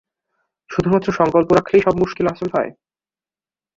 শুধুমাত্র সঙ্কল্প রাখলেই সব মুশকিল আসান হয়?